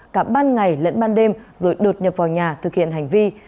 cả ban ngày lẫn ban đêm rồi đột nhập vào nhà thực hiện hành vi